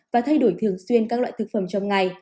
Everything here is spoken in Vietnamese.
và thay đổi thường xuyên các loại thực phẩm trong ngày